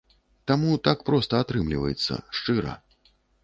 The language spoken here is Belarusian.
Таму так проста атрымліваецца, шчыра.